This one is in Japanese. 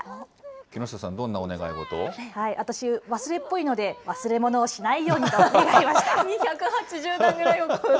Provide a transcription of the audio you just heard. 木下さん、私、忘れっぽいので忘れ物をしないようにと願いました。